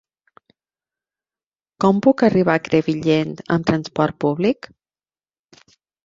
Com puc arribar a Crevillent amb transport públic?